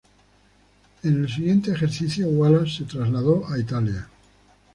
En el siguiente ejercicio, Wallace se trasladó a Italia.